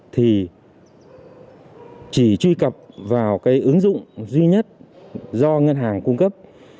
thì chỉ truy cập vào cái ứng dụng duy nhất do ngân hàng cung cấp